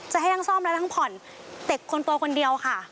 จะให้ทั้งซ่อมและทั้งผ่อนเด็กคนโตคนเดียวค่ะ